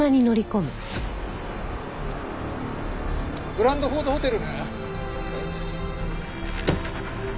グランドフォードホテルね。